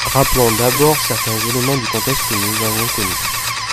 Rappelons d’abord certains éléments du contexte que nous avons connu.